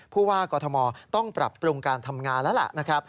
พูดว่ากรทมต้องปรับโปรงการทำงานแล้วล่ะ